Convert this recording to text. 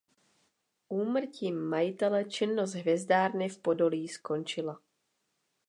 Úmrtím majitele činnost hvězdárny v Podolí skončila.